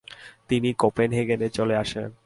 তিনি কোপেনহেগেনে চলে আসেন।